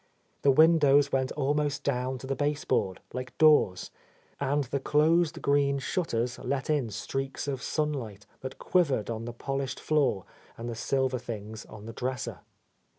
The windows went almost down to the baseboard, like doors, and the closed green shutters let in streaks of sunlight that quivered on the polished floor and the silver things on the dresser.